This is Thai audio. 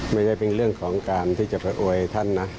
ไม่ใช่เป็นเรื่องของการที่จะไปอวยท่านนะ